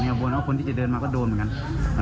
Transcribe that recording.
แต่มันหลีบเพื่ออย่างหญิงตอนนั้นน่ะ